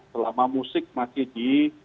selama musik masih di